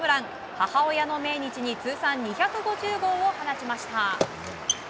母親の命日に通算２５０号を放ちました。